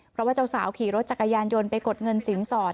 เพราะว่าเจ้าสาวขี่รถจักรยานยนต์ไปกดเงินสินสอด